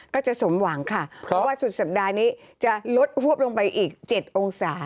ก็จะสมหวังค่ะเพราะว่าสุดสัปดาห์นี้จะลดหวบลงไปอีก๗องศา